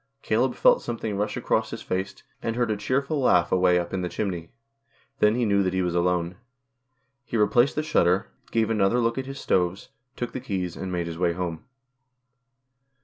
Caleb felt something rush across his face, and heard a cheerful laugh away up in the chimney. Then he knew that he was alone. He replaced the shutter, gave another look at his stoves, took the keys, and made his way home.